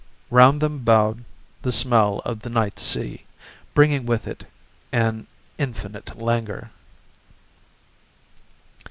Round them bowed the smell of the night sea, bringing with it an infinite languor.